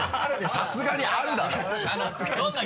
さすがにあるだろ。